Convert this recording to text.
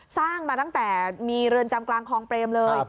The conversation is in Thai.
สร้างมาตั้งแต่มีเรือนจำกลางคลองเปรมเลย